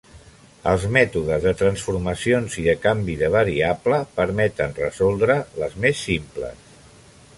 Els mètodes de transformacions i de canvi de variable permeten resoldre les més simples.